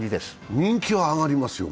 人気は上がりますね。